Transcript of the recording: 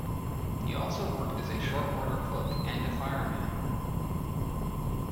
He also worked as a short-order cook and a fireman.